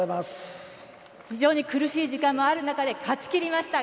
非常に苦しい時間もある中で勝ち切りました。